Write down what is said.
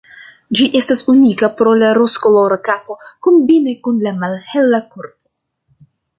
Ĝi estas unika pro la rozkolora kapo kombine kun la malhela korpo.